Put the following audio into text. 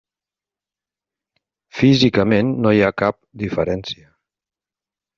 Físicament no hi ha cap diferència.